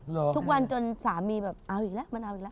ละจนสามีแบบเอาอีกแล้ว